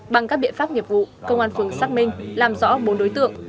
bằng các biện pháp nghiệp vụ công an phường xác minh làm rõ bốn đối tượng